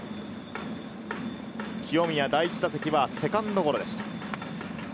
清宮、第１打席はセカンドゴロでした。